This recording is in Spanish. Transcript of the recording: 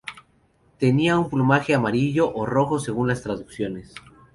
Tenía un plumaje amarillo o rojo según las traducciones.